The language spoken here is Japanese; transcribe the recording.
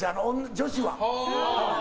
女子は。